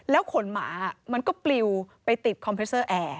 ขนหมามันก็ปลิวไปติดคอมพิวเซอร์แอร์